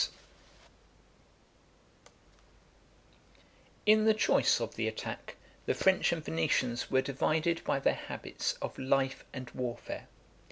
] In the choice of the attack, the French and Venetians were divided by their habits of life and warfare.